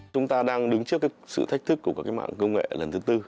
chúng ta đang đứng trước sự thách thức của các mạng công nghệ lần thứ bốn